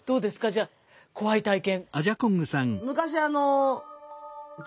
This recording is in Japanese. じゃあ怖い体験。